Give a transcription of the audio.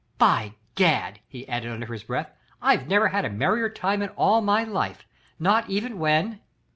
By Gad!" he added under his breath, "I've never had a merrier time in all my life not even when...."